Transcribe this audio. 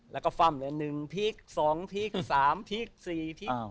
แล้วก็ฟ่ำเลย๑พีค๒พีค๓พีค๔พริก